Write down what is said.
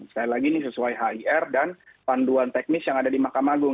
sekali lagi ini sesuai hir dan panduan teknis yang ada di mahkamah agung